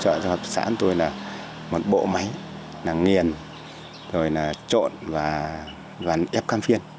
hiện nay đã được hỗ trợ cho hợp tác xã tôi là một bộ máy nàng nghiền trộn và ép cam phiên